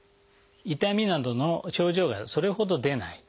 痛みなどの症状がそれほど出ない。